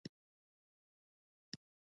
ترکیه د ایران ګاز اخلي.